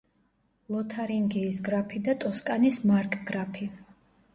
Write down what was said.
ლოთარინგიის გრაფი და ტოსკანის მარკგრაფი.